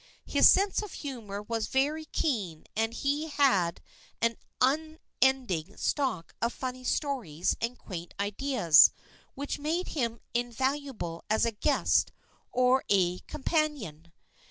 His sense of humor was very keen and he had an unending stock of funny stories and quaint ideas which made him invaluable as a guest or a com panion.